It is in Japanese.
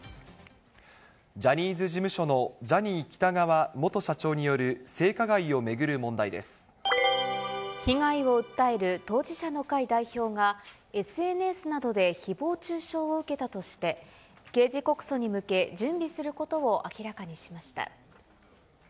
ジャニーズ事務所のジャニー喜多川元社長による性加害を巡る問題被害を訴える当事者の会代表が、ＳＮＳなどでひぼう中傷を受けたとして、刑事告訴に向け準備することを明らかにしました。